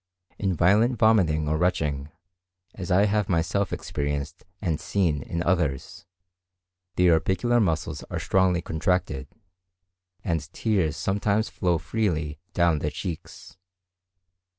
In violent vomiting or retching, as I have myself experienced and seen in others, the orbicular muscles are strongly contracted, and tears sometimes flow freely down the cheeks.